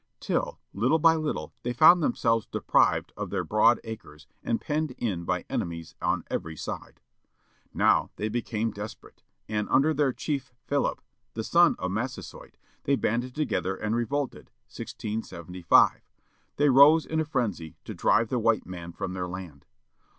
Till, little by little, they found themselves deprived of their broad acres, and penned in by enemies on every side. Now they became desperate, and, under their chief Philip, the son of Massasoit, they banded together and revolted, 1675. They rose in a frenzy, to drive the white man from their land.